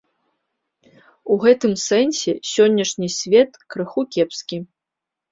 У гэтым сэнсе сённяшні свет крыху кепскі.